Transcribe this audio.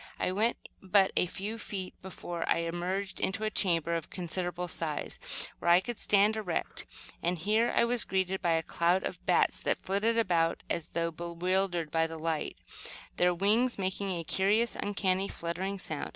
I went but a few feet before I emerged into a chamber of considerable size, where I could stand erect; and here I was greeted by a cloud of bats that flitted about as though bewildered by the light, their wings making a curious, uncanny fluttering sound.